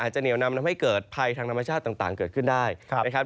จะเหนียวนำทำให้เกิดภัยทางธรรมชาติต่างเกิดขึ้นได้นะครับ